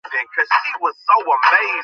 মা কসম, জীবন ছাড়খাড় হয়ে গেল আমার।